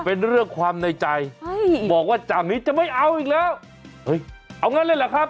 เป็นเรื่องความในใจบอกว่าจากนี้จะไม่เอาอีกแล้วเฮ้ยเอางั้นเลยเหรอครับ